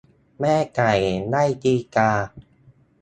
แม่ไก่ไล่ตีกา